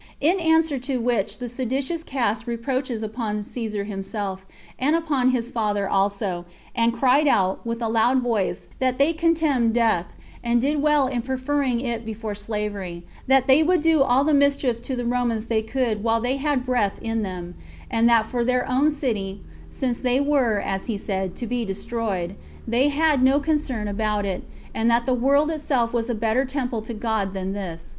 In answer to which the seditious cast reproaches upon Caesar himself, and upon his father also, and cried out, with a loud voice, that they contemned death, and did well in preferring it before slavery; that they would do all the mischief to the Romans they could while they had breath in them; and that for their own city, since they were, as he said, to be destroyed, they had no concern about it, and that the world itself was a better temple to God than this.